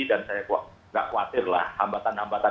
dan saya tidak khawatirlah hambatan hambatan